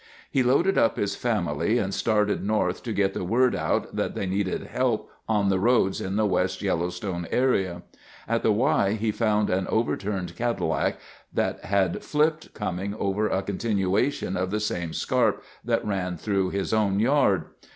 He loaded up his family and started north to get the word out that they needed help on the roads in the West Yellowstone area. At the Y he found an overturned Cadillac that had flipped coming over a continuation of the same scarp which ran through his own yard.